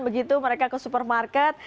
begitu mereka ke supermarket